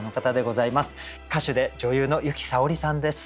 歌手で女優の由紀さおりさんです。